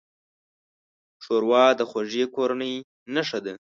ښوروا د خوږې کورنۍ نښه ده.